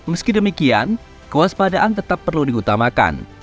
meski demikian kewaspadaan tetap perlu diutamakan